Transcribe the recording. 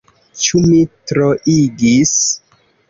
Ĉu mi troigis?